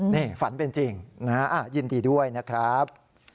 นี่ฝันเป็นจริงนะฮะยินดีด้วยนะครับ